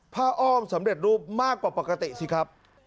อ้อมสำเร็จรูปมากกว่าปกติสิครับ